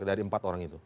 dari empat orang itu